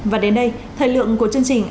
và đến đây thời lượng của chương trình